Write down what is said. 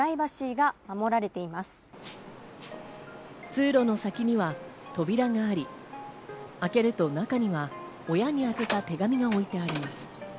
通路の先には扉があり、開けると中には親にあてた手紙が置いてあります。